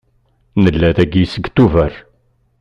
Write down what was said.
Nella dagi seg Tubeṛ.